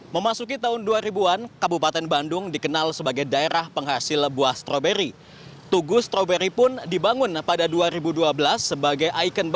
memasuki tahun dua ribu an kabupaten bandung dikenal sebagai daerah penghasil buah stroberi